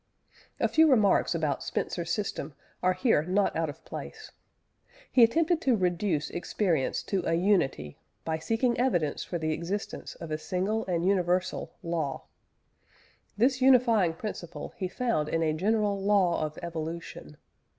A few remarks about Spencer's system are here not out of place. He attempted to reduce experience to a unity by seeking evidence for the existence of a single and universal law. This unifying principle he found in a general law of evolution.